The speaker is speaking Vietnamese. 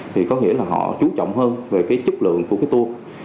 thì có nghĩa là họ chú trọng hơn về cái chất lượng của cái tour